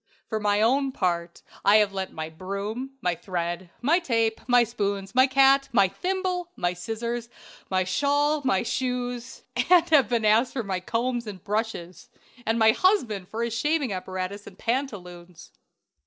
"For my own part, I have lent my broom, my thread, my tape, my spoons, my cat, my thimble, my scissors, my shawl, my shoes, and have been asked for my combs and brushes, and my husband for his shaving apparatus and pantaloons."